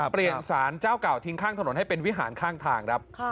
เปลี่ยนสารเจ้าเก่าทิ้งข้างถนนให้เป็นวิหารข้างทางครับ